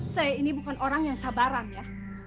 saya ini bukan orang yang sabaran ya